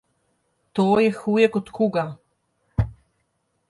To je huje kot kuga.